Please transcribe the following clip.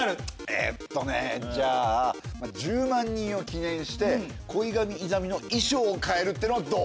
えっとねじゃあ１０万人を記念して恋神イザミの衣装を変えるっていうのはどう？